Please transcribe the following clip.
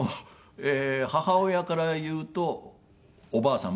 母親から言うとおばあさん。